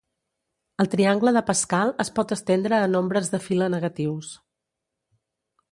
El triangle de Pascal es pot estendre a nombres de fila negatius.